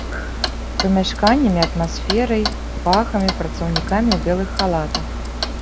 Памяшканнямі, атмасферай, пахамі, працаўнікамі ў белых халатах.